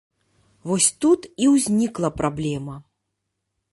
Вось тут і ўзнікла праблема.